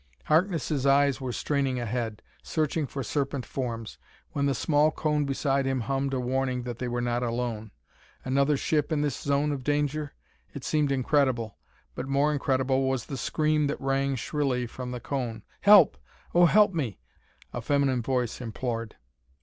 Harkness' eyes were straining ahead, searching for serpent forms, when the small cone beside him hummed a warning that they were not alone. Another ship in this zone of danger? it seemed incredible. But more incredible was the scream that rang shrilly from the cone. "Help! Oh, help me!" a feminine voice implored.